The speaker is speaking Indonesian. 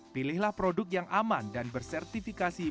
pilihlah produk yang aman dan bersertifikasi